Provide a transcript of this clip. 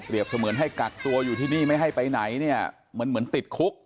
เสมือนให้กักตัวอยู่ที่นี่ไม่ให้ไปไหนเนี่ยมันเหมือนติดคุก